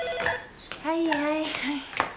☎はいはいはい。